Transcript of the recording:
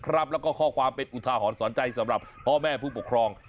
แล้วก็ข้อความเป็นอุทาหรณ์สอนใจสำหรับพ่อแม่ผู้ปกครอง